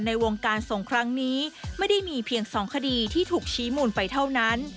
ในวงการส่งครั้งนี้ไม่ได้มีเพียง๒คดีที่ถูกชี้มูลไปเท่านั้น